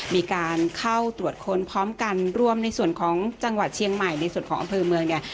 มีการเข้าตรวจค้นพร้อมกันรวมในส่วนของจังหวัดเชียงใหม่ในส่วนของอำเภอเมืองเนี่ย